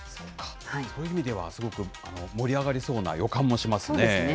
そういう意味ではすごく、盛り上がりそうな予感もしますね。